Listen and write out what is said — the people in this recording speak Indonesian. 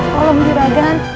kalau menurut juragan